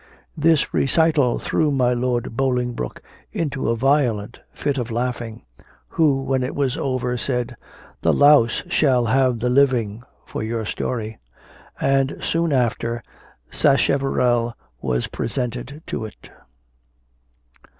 This recital threw my Lord Bolingbroke into a violent fit of laughing, who, when it was over, said, "The louse shall have the living for your story." And soon after Sacheverell was presented to it.